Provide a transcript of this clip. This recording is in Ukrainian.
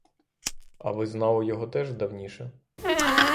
А ви знали його теж давніше?